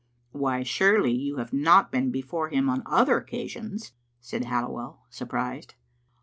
" Why, surely you have not been before him on other occasions," said Halliwell, surprised.